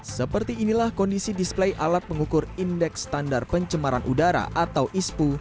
seperti inilah kondisi display alat pengukur indeks standar pencemaran udara atau ispu